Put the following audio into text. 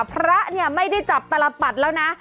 พระเนี่ยไม่ได้จับตลปัดแล้วนะ